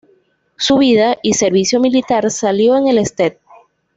Su vida y servicio militar salió en el "St.